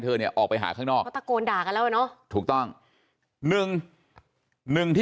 เธอเนี่ยออกไปหาข้างนอกตะโกนด่ากันแล้วนะถูกต้อง๑หนึ่งที่